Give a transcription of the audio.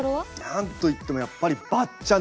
何といってもやっぱり「ばっちゃん」でしょう。